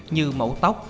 như mẫu tóc